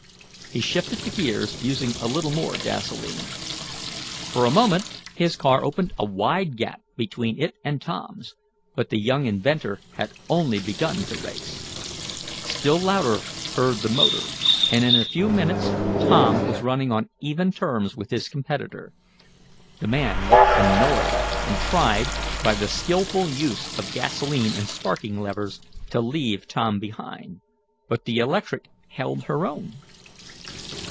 He shifted the gears, using a little more gasolene. For a moment his car opened a wide gap between it and Tom's, but the young inventor had only begun to race. Still louder purred the motor, and in a few minutes Tom was running on even terms with his competitor. The man looked annoyed, and tried, by the skilful use of gasolene and sparking levers, to leave Tom behind. But the electric held her own.